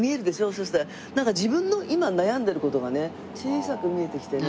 そしたら自分の今悩んでる事がね小さく見えてきてね